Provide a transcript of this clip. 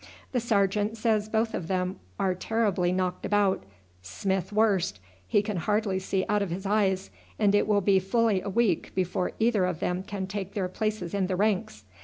The sergeant says both of them are terribly knocked about, Smith worst. He can hardly see out of his eyes, and it will be fully a week before either of them can take their places in the ranks.